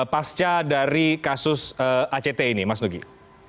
pasca dari kasus act ini mas nugi